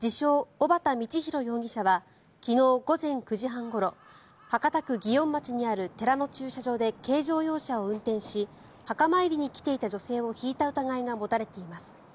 ・小畠教弘容疑者は昨日午前９時半ごろ博多区祇園町にある寺の駐車場で軽乗用車を運転し墓参りに来ていた女性をひいた疑いが持たれています。